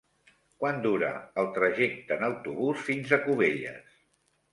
Quant dura el trajecte en autobús fins a Cubelles?